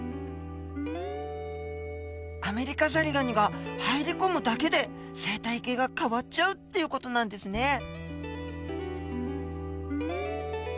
アメリカザリガニが入り込むだけで生態系が変わっちゃうっていう事なんですね。